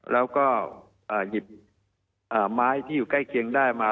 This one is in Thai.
แล้วก็หยิบไม้ที่อยู่ใกล้เคียงได้มา